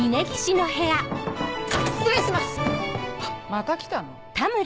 また来たの？